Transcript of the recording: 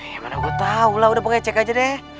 ya mana gue tahu lah udah pokoknya cek aja deh